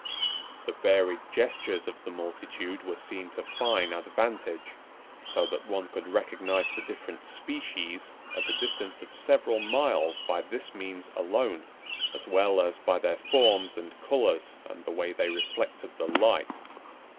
The varied gestures of the multitude were seen to fine advantage, so that one could recognize the different species at a distance of several miles by this means alone, as well as by their forms and colors, and the way they reflected the light.